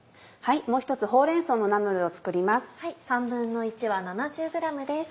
もう一つほうれん草のナムルを作ります。